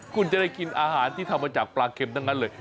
คุณจะได้กินอาหารที่ทำมาจากปลาเข็มทั้งนั้นเลย